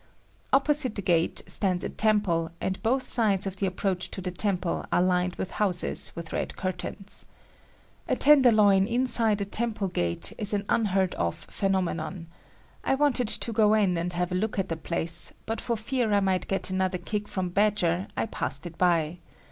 Opposite the gate stands a temple and both sides of the approach to the temple are lined with houses with red curtains. A tenderloin inside a temple gate is an unheard of phenomenon. I wanted to go in and have a look at the place, but for fear I might get another kick from Badger, I passed it by.